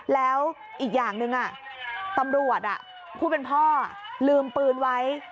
แล้วอีกอย่างหนึ่งตำรวจผู้เป็นพ่อลืมปืนไว้